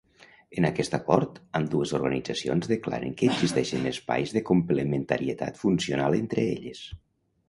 En aquest acord, ambdues organitzacions declaren que existeixen espais de complementarietat funcional entre elles.